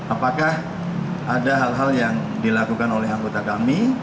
apakah ada hal hal yang dilakukan oleh anggota kami